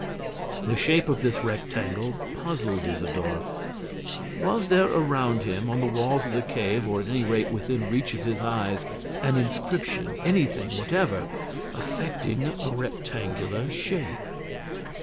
The shape of this rectangle puzzled Isidore. Was there around him, on the walls of the cave, or at any rate within reach of his eyes, an inscription, anything whatever, affecting a rectangular shape?